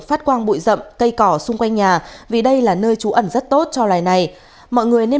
phát quang bụi rậm cây cỏ xung quanh nhà vì đây là nơi trú ẩn rất tốt cho loài này mọi người nên